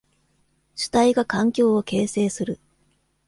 主体が環境を形成する。